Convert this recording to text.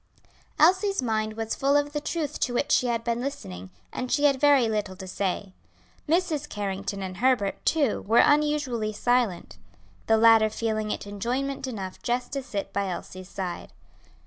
Elsie's mind was full of the truth to which she had been listening, and she had very little to say. Mrs. Carrington and Herbert, too, were unusually silent; the latter feeling it enjoyment enough just to sit by Elsie's side.